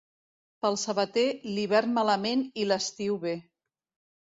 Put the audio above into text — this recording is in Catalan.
Pel sabater, l'hivern malament i l'estiu bé.